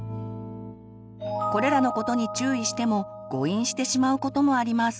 これらのことに注意しても誤飲してしまうこともあります。